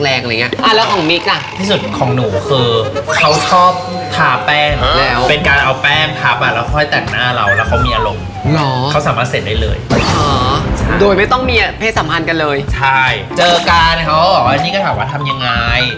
แล้วการเขาก็บอกว่านี่ก็ถามว่าทำยังไง